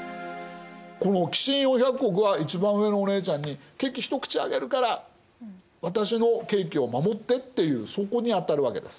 この寄進４００石は一番上のお姉ちゃんに「ケーキ一口あげるから私のケーキを守って」っていうそこに当たるわけです。